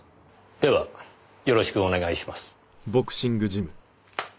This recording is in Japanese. ではよろしくお願いします。